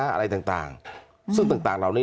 อะไรต่างซึ่งต่างเหล่านี้